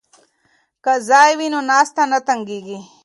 که ځای وي نو ناسته نه تنګیږي.